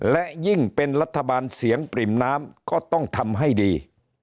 และยิ่งเป็นรัฐบาลเสียงปริ่มน้ำก็ต้องทำให้ดี